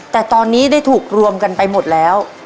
แต่ตอนนี้ได้ถูกรวมกันไปหมดแล้ว